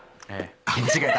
間違えた。